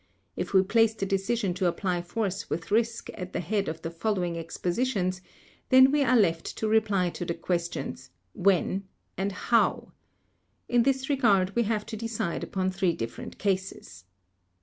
. If we place the decision to apply force with risk at the head of the following expositions, then we are left to reply to the questions 'when' and 'how'. In this regard we have to decide upon three different cases."